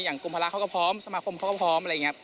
กรมภาระเขาก็พร้อมสมาคมเขาก็พร้อมอะไรอย่างนี้